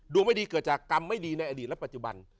ไม่ดีเกิดจากกรรมไม่ดีในอดีตและปัจจุบัน